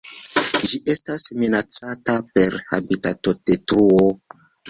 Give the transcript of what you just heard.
Ĝi estas minacata per habitatodetruo.